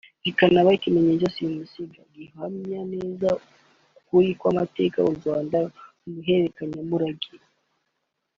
zikanaba ikimenyetso simusiga gihamya neza ukuri kw’amateka y’u Rwanda mu iherekanyamurage